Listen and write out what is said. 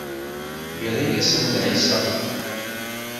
Yerra-asent-d ɛisa.